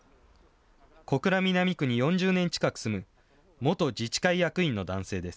小倉南区に４０年近く住む元自治会役員の男性です。